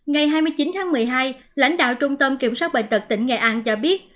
ngày hai mươi chín tháng một mươi hai lãnh đạo trung tâm kiểm soát bệnh tật tỉnh nghệ an cho biết